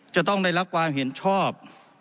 จะต้องได้รับความเห็นชอบ